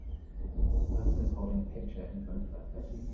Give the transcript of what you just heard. The person is holding a picture in front of their face.